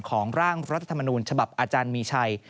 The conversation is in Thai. ร่างรัฐธรรมนูญฉบับอาจารย์มีชัย